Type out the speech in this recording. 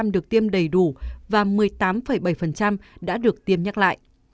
năm mươi chín được tiêm đầy đủ và một mươi tám bảy đã được tiêm nhắc lại